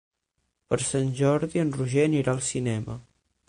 Per Sant Jordi en Roger anirà al cinema.